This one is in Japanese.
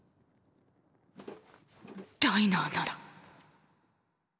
ライナーなら！